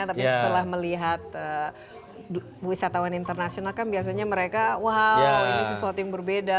tapi setelah melihat wisatawan internasional kan biasanya mereka wow ini sesuatu yang berbeda